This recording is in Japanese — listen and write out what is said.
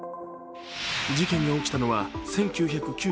事件が起きたのは１９９７年。